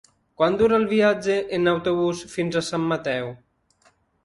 Quant dura el viatge en autobús fins a Sant Mateu?